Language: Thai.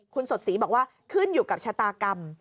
คุณสดศรีบอกว่าขึ้นอยู่กับชะตากรรม